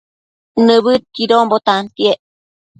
Nibëdquidonbo tantiec